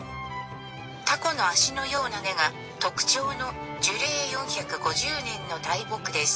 「たこの足のような根が特徴の樹齢４５０年の大木です」